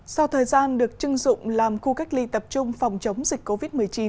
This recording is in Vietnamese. sau thời gian được chưng dụng làm khu cách ly tập trung phòng chống dịch covid một mươi chín